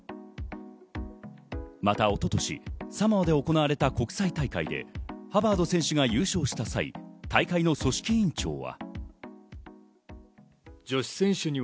また一昨年、サモアで行われた国際大会でハバード選手が優勝した際、大会の組織委員長は。